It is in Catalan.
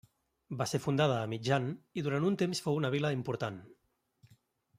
Va ser fundada a mitjan i durant un temps fou una vila important.